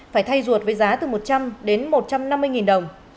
phải thay ruột với giá từ một trăm linh đến một trăm năm mươi đồng